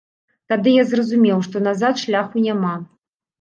Тады я зразумеў, што назад шляху няма.